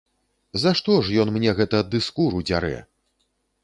За што ж ён мне гэта ды скуру дзярэ?!